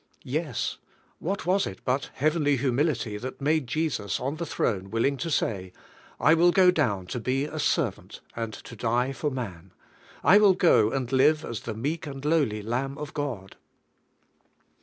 Yes, what was it butheavenl} humility that made Jesus on the throne willing to say : "I will go down to be a servant, and to die for man; I will go and live as the meek and lowly Lamb of God?"